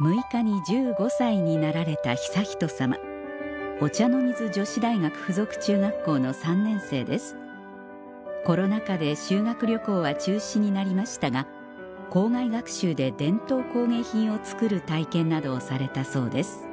６日に１５歳になられた悠仁さまお茶の水女子大学附属中学校の３年生ですコロナ禍で修学旅行は中止になりましたが校外学習で伝統工芸品を作る体験などをされたそうです